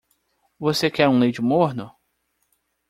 Você quer um leite morno?